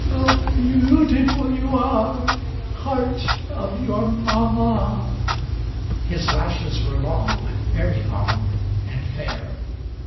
"How beautiful you are, heart of your mamma!" His lashes were long, very long, and fair.